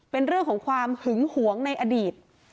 เป็นเรื่องของความหึงหวงในอดีต